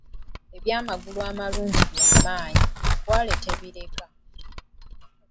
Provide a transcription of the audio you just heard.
Eby'amagulu amalungi by'omanyi, enkwale tebireka.